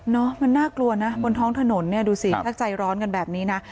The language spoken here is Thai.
มันน่ากลัวนะบนท้องถนนเนี่ยดูสิถ้าใจร้อนกันแบบนี้นะ